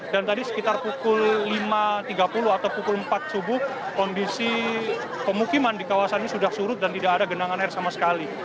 dan tadi sekitar pukul lima tiga puluh atau pukul empat subuh kondisi pemukiman di kawasan ini sudah surut dan tidak ada genangan air sama sekali